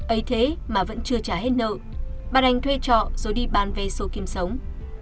ây thế mà vẫn chưa trả hết nợ bà đành thuê trọ rồi đi bán vé xô kiếm sống